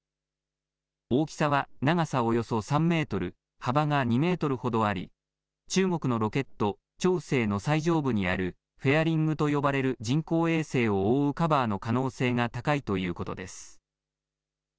大きさは長さおよそ３メートル、幅が２メートルほどあり中国のロケット、長征の最上部にあるフェアリングと呼ばれる人工衛星を覆うカバーの可能性が高いということです。